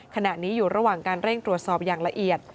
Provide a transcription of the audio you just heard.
ขณะนี้อยู่ระหว่างการเร่งตรวจสอบอย่างละเอียด